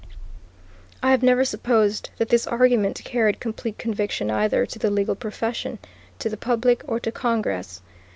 I have never supposed that this argument carried complete conviction either to the legal profession, to the public, or to Congress.